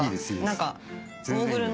何か。